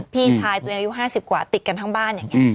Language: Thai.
พี่ชายตัวเองอายุ๕๐กว่าติดกันทั้งบ้านอย่างนี้